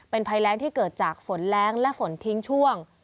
เป็นภัยแรงที่เกิดจากฝนแรงและฝนทิ้งช่วง